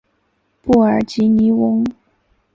布尔吉尼翁。